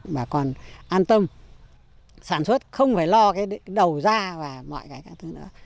bà con an tâm sản xuất không phải lo cái đầu da và mọi cái thứ nữa